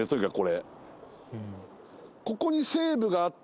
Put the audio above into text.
ここに西武があって。